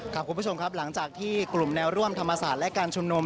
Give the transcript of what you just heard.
คุณผู้ชมครับหลังจากที่กลุ่มแนวร่วมธรรมศาสตร์และการชุมนุม